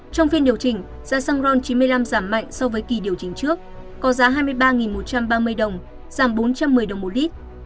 trong phiên điều chỉnh giá xăng ron chín mươi năm giảm mạnh so với kỳ điều chỉnh trước có giá hai mươi ba một trăm ba mươi đồng giảm bốn trăm một mươi đồng một lít